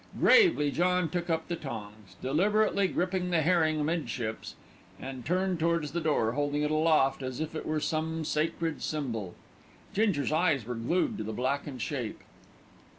Gravely John took up the tongs, deliberately gripping the herring amidships, and turned towards the door, holding it aloft as if it were some sacred symbol. Ginger's eyes were glued to the blackened shape.